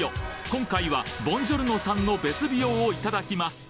今回はボンジョルノさんのベスビオをいただきます